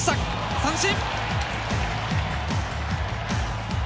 三振！